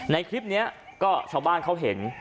ในคลิปนี้ก็ชาวบ้านเขาเห็น